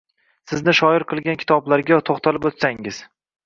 Sizni shoir qilgan kitoblarga to`xtalib o`tsangiz